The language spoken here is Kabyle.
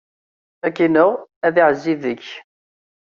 Ad k-ineɣ, ad iɛezzi deg-k!